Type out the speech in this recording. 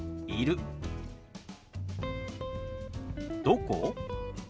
「どこ？」。